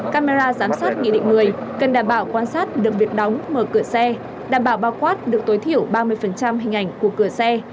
camera giám sát nghị định một mươi cần đảm bảo quan sát được việc đóng mở cửa xe đảm bảo bao quát được tối thiểu ba mươi hình ảnh của cửa xe